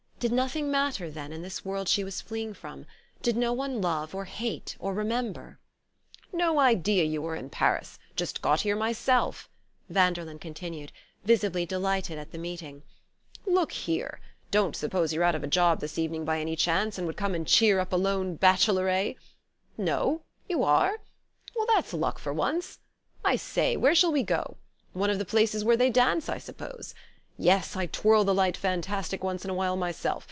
Did nothing matter, then, in this world she was fleeing from, did no one love or hate or remember? "No idea you were in Paris just got here myself," Vanderlyn continued, visibly delighted at the meeting. "Look here, don't suppose you're out of a job this evening by any chance, and would come and cheer up a lone bachelor, eh? No? You are? Well, that's luck for once! I say, where shall we go? One of the places where they dance, I suppose? Yes, I twirl the light fantastic once in a while myself.